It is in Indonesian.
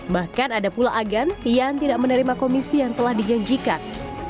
bahkan ada pula agen yang tidak menerima komisi yang telah dijanjikan